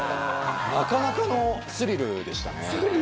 なかなかのスリルでしたね。